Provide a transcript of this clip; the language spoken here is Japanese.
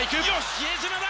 比江島だ。